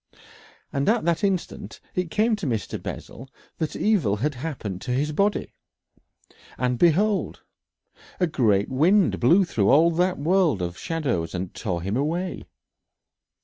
And at that instant it came to Mr. Bessel that evil had happened to his body, and behold! a great wind blew through all that world of shadows and tore him away.